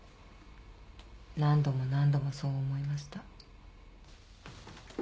何度も何度もそう思いました。